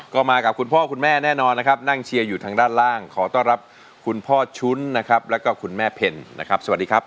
ก็มากับคุณพ่อคุณแม่แน่นอนนะครับนั่งเชียร์อยู่ทางด้านล่างขอต้อนรับคุณพ่อชุ้นนะครับแล้วก็คุณแม่เพ็ญนะครับสวัสดีครับ